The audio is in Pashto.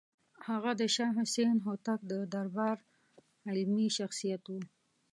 هغه د شاه حسین هوتک د دربار علمي شخصیت و.